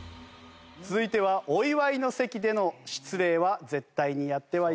続いてはお祝いの席での失礼は絶対にやってはいけません。